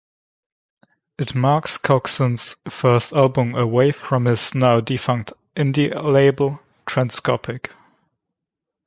It marks Coxon's first album away from his now-defunct indie label 'Transcopic'.